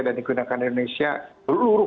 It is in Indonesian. dan digunakan di indonesia seluruh